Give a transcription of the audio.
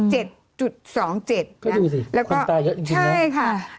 ก็ดูสิคนตายเยอะจริงแล้ว